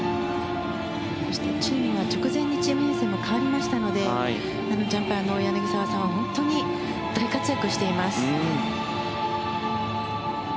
チームは直前にチーム編成も変わりましたのでジャンパーの柳澤さんは本当に大活躍しています。